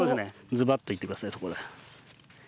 ズバッといってくださいそこで。